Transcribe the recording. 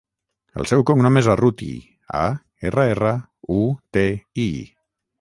El seu cognom és Arruti: a, erra, erra, u, te, i.